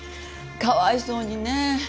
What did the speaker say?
かわいそうにね。